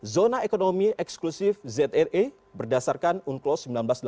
zona ekonomi eksklusif zera berdasarkan unclos seribu sembilan ratus delapan puluh